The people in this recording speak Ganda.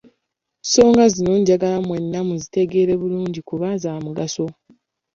nsonga zino njagala mwenna muzitegeere bulungi kuba za mugaso.